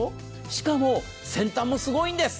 しかも、先端もすごいんです。